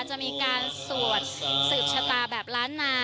จะมีการสวดสืบชะตาแบบล้านนา